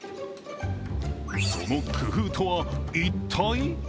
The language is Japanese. その工夫とは一体？